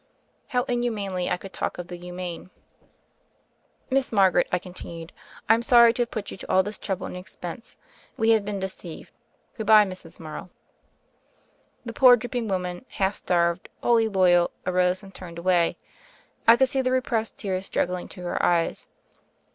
How inhumanly I could talk of the humane. 1 54 THE FAIRY OF THE SNOWS "Miss Margaret," I continued, "I'm sorry to have put you to all this trouble and expense. We have been deceived. — Good bye, Mrs. Morrow." The poor drooping woman, half starved, wholly loyal, arose and turned away. I could see the repressed tears struggling to her eyes.